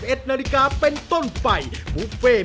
เเริ่มแม้พอ